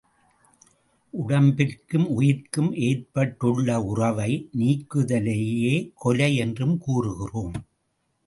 உடம்பிற்கும் உயிர்க்கும் ஏற்பட்டுள்ள உறவை நீக்குதலையே கொலை என்று கூறுகிறோம்.